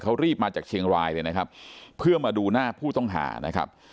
เขารีบมาจากเชียงรายเลยนะครับเพื่อมาดูหน้าผู้ต้องหานะครับ